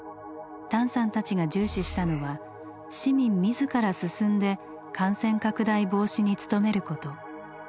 タンさんたちが重視したのは市民自ら進んで感染拡大防止に努めること。